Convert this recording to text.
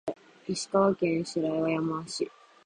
石川県白山市